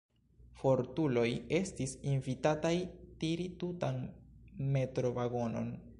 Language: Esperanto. Fortuloj estis invitataj tiri tutan metrovagonon.